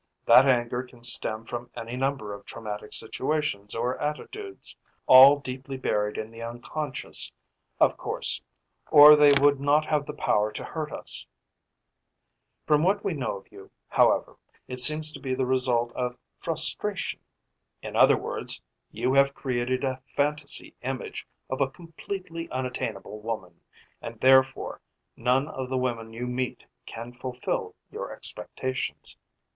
"That anger can stem from any number of traumatic situations or attitudes, all deeply buried in the unconscious, of course, or they would not have the power to hurt us. From what we know of you, however, it seems to be the result of frustration. In other words, you have created a fantasy image of a completely unattainable woman, and therefore none of the women you meet can fulfill your expectations.